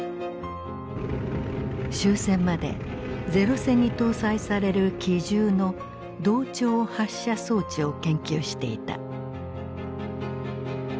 終戦まで零戦に搭載される機銃の同調発射装置を研究していた。